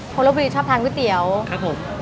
เพราะลบบุรีชอบทานก๋วยเตี๋ยวครับผม